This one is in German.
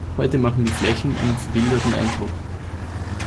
Heute machen die Flächen einen verwilderten Eindruck.